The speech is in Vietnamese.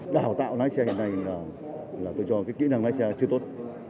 đào tạo lái xe hiện nay là tôi cho cái kỹ năng lái xe chưa tốt